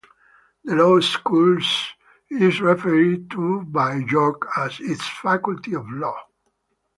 The law school is referred to by York as its faculty of law.